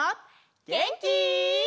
げんき？